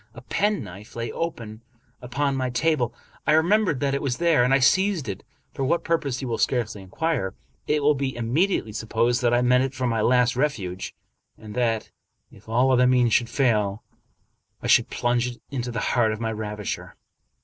A penknife lay open upon my table. I remembered that it was there, and seized it. For what purpose you will scarcely inquire. It will be imme diately supposed that I meant it for my last refuge, and that, if all other means should fail, I should plunge it into the heart of my ravisher.